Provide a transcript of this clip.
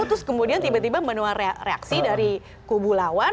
terus kemudian tiba tiba menuar reaksi dari kubu lawan